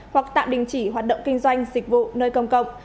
hoặc tạm đình chỉ hoạt động kinh doanh dịch vụ nơi công cộng